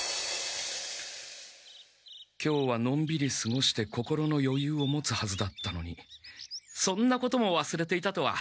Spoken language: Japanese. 今日はのんびりすごして心のよゆうを持つはずだったのにそんなこともわすれていたとは。